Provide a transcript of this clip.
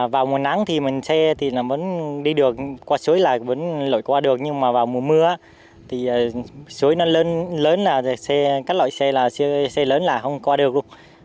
vào mùa nắng thì xe vẫn đi được qua suối là vẫn lội qua được nhưng mà vào mùa mưa suối nó lớn các loại xe lớn là không qua được